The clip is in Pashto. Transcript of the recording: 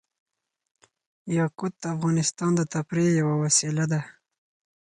یاقوت د افغانانو د تفریح یوه وسیله ده.